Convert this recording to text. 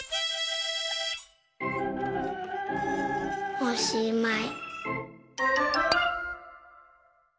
おしまい！